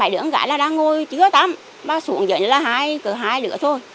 bảy đứa con gái là đang ngồi chứa tâm ba xuống dậy là hai đứa thôi